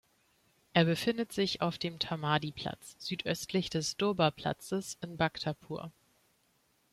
Er befindet sich auf dem Taumadhi-Platz, südöstlich des Durbar-Platzes, in Bhaktapur.